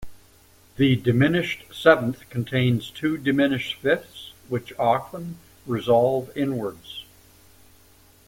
The diminished seventh contains two diminished fifths, which often resolve inwards.